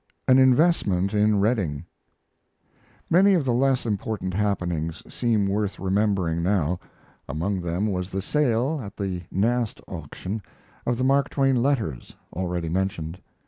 AN INVESTMENT IN REDDING Many of the less important happenings seem worth remembering now. Among them was the sale, at the Nast auction, of the Mark Twain letters, already mentioned.